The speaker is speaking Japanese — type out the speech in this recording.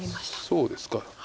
そうですか。